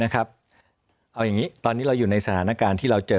ทุกวันตะนีเราอยู่ในสถานการณ์ที่เราเจอ